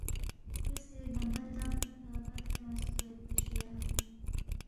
کھروسے گمبہ لدنگ پیکھہ ببسے اونگسے دُوگیدپا جُویا